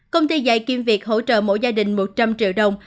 công ty dạy kiêm việc hỗ trợ mỗi gia đình một trăm linh triệu đồng